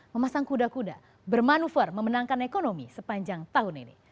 memasang kuda kuda bermanuver memenangkan ekonomi sepanjang tahun ini